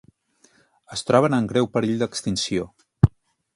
Es troben en greu perill d'extinció.